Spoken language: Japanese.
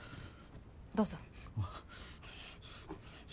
どうぞ。